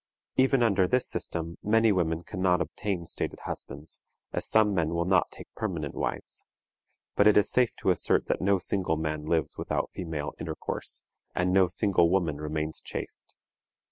Even under this system many women can not obtain stated husbands, as some men will not take permanent wives; but it is safe to assert that no single man lives without female intercourse, and no single woman remains chaste.